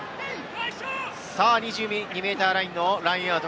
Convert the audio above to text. ２２ｍラインのラインアウト。